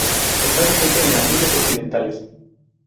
Está ausente de las Indias Occidentales.